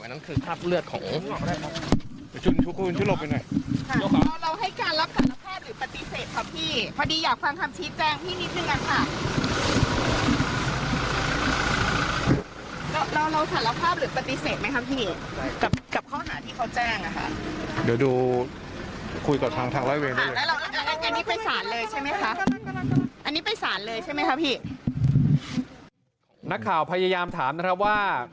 อันนี้ไปสารเลยใช่ไหมครับพี่นักข่าวพยายามถามนะครับว่า